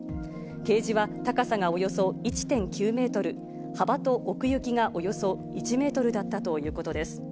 ケージは高さがおよそ１．９メートル、幅と奥行きがおよそ１メートルだったということです。